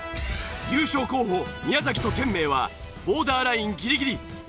優勝候補宮崎と天明はボーダーラインギリギリ。